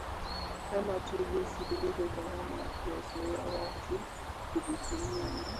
kama tu jinsi ilivyo gharama ya kuwazoeza watu kuvitumia na